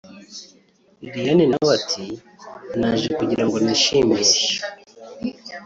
Liliane na we ati “Naje kugira ngo nishimishe